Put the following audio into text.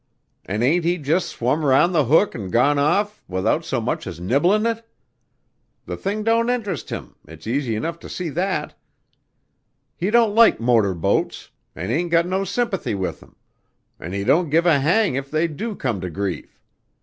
An' ain't he just swum round the hook an' gone off without so much as nibblin' it? The thing don't interest him, it's easy enough to see that. He don't like motor boats an' ain't got no sympathy with 'em, an' he don't give a hang if they do come to grief.